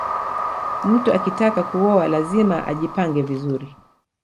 mtu akitaka kuoa lazima ajipange vizuri